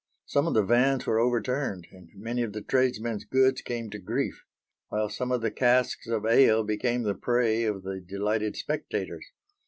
Some of the vans were overturned and many of the tradesmens' goods came to grief; while some of the casks of ale became the prey of the delighted spectators.